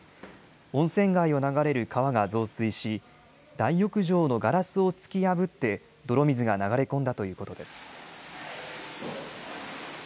温泉街を流れる川が増水し大浴場のガラスを突き破って泥水が流れ込んだということです。